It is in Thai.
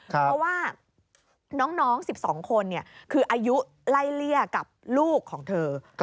เพราะว่าน้อง๑๒คนคืออายุไล่เลี่ยกับลูกของเธอ